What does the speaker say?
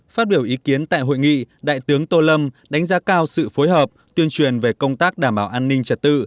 phát biểu ý kiến tại hội nghị đại tướng tô lâm đánh giá cao sự phối hợp tuyên truyền về công tác đảm bảo an ninh trật tự